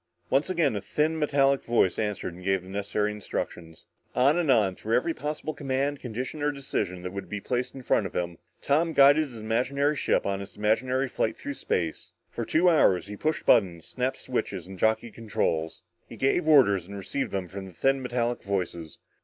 Once again a thin metallic voice answered him and gave the necessary instructions. On and on, through every possible command, condition or decision that would be placed in front of him, Tom guided his imaginary ship on its imaginary flight through space. For two hours he pushed buttons, snapped switches and jockeyed controls. He gave orders and received them from the thin metallic voices.